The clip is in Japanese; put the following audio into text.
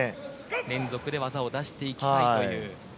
連続で技を出していきたいという。